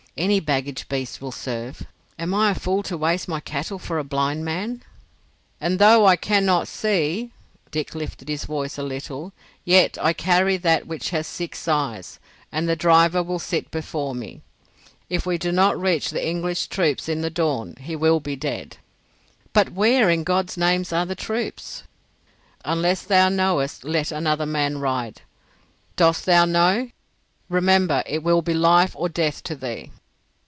Any baggage beast will serve. Am I a fool to waste my cattle for a blind man?" "And though I cannot see'—Dick lifted his voice a little—"yet I carry that which has six eyes, and the driver will sit before me. If we do not reach the English troops in the dawn he will be dead." "But where, in God's name, are the troops?" "Unless thou knowest let another man ride. Dost thou know? Remember it will be life or death to thee."